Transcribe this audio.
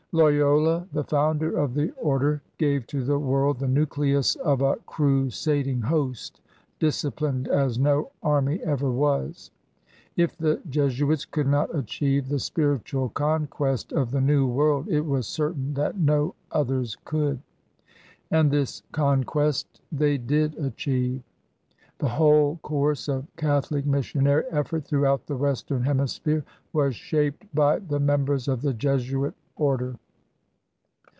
Loyola, the founder of the Order, gave to the world the nucleus of a crusading host, disciplined as no army ever was. If the Jesuits could not achieve the spiritual conquest of the New World, it was certain that no others could. And this conquest they did achieve. The whole course of Catholic missionary effort throughout the Western Hemi sphere was shaped by members of the Jesuit Order.